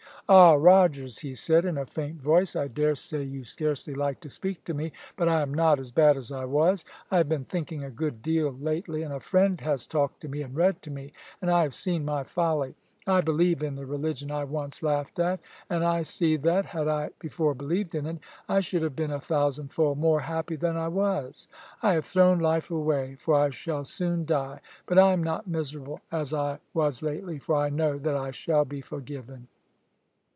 "Ah! Rogers," he said, in a faint voice, "I dare say you scarcely like to speak to me; but I am not as bad as I was. I have been thinking a good deal lately, and a friend has talked to me and read to me, and I have seen my folly. I believe in the religion I once laughed at, and I see that, had I before believed in it, I should have been a thousandfold more happy than I was. I have thrown life away, for I shall soon die; but I am not miserable as I was lately, for I know that I shall be forgiven."